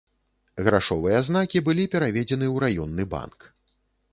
Грашовыя знакі былі пераведзены ў раённы банк.